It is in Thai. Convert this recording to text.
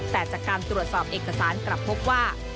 แต่จากการตรวจสอบเอกสารกลับพบว่า